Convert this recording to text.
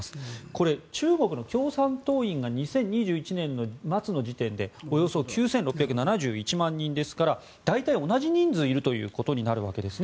これ、中国の共産党員が２０２１年末の時点でおよそ９６７１万人ですから大体、同じ人数いるということになるわけです。